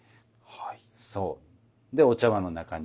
はい。